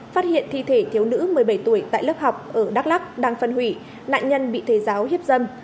phát hiện thi thể thiếu nữ một mươi bảy tuổi tại lớp học ở đắk lắc đang phân hủy nạn nhân bị thầy giáo hiếp dâm